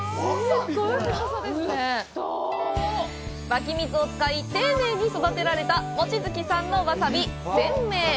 湧き水を使い丁寧に育てられた望月さんのわさび「千明」。